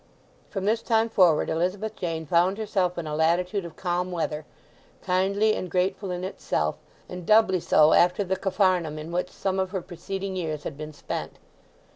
From this time forward Elizabeth Jane found herself in a latitude of calm weather, kindly and grateful in itself, and doubly so after the Capharnaum in which some of her preceding years had been spent.